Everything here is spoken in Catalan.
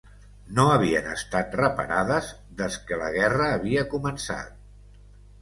No havien estat reparades des que la guerra havia començat